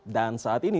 dan saat ini